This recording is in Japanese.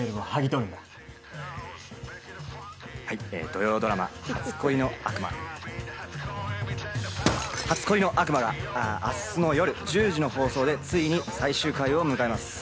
土曜ドラマ『初恋の悪魔』が明日の夜１０時の放送でついに最終回を迎えます。